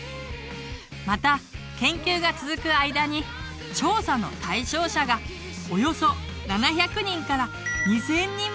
また研究が続く間に調査の対象者がおよそ７００人から２，０００人までに拡大。